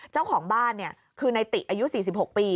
เจ้าของบ้านคือในติอายุ๔๖ปี